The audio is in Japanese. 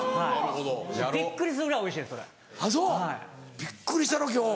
びっくりしたろ今日。